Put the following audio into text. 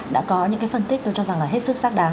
đã có những phân tích tôi cho rằng là hết sức xác đáng